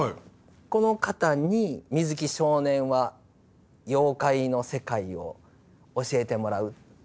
この方に水木少年は妖怪の世界を教えてもらう。